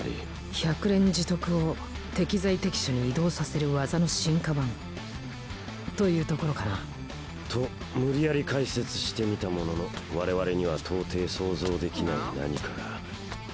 百錬自得を適材適所に移動させる技の進化版というところかな。と無理やり解説してみたものの我々には到底想像できない何かが。